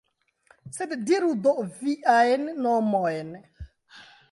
Sed diru do viajn nomojn!